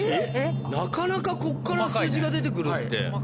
なかなかこっから数字が出て来るって。